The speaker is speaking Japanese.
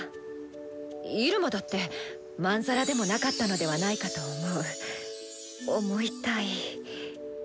イルマだってまんざらでもなかったのではないかと思う思いたい。